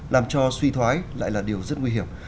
làm cho suy thoái lại là điều rất nguy hiểm